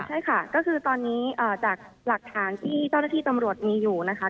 ใช่ค่ะก็คือตอนนี้จากหลักฐานที่เจ้าหน้าที่ตำรวจมีอยู่นะคะ